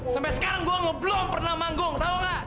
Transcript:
sampai sekarang gue ngobrol pernah manggung tau nggak